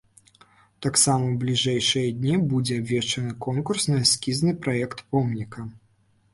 Таксама ў бліжэйшыя дні будзе абвешчаны конкурс на эскізны праект помніка.